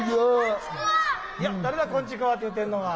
誰だ「こんちくわ」って言うてんのは。